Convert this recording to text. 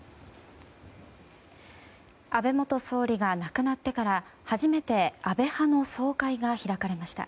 安倍元総理が亡くなってから、初めて安倍派の総会が開かれました。